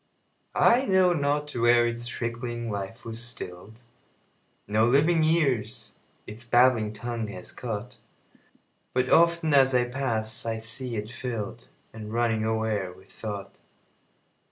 I know not where its trickling life was still'd; No living ears its babbling tongue has caught; But often, as I pass, I see it fill'dAnd running o'er with thought.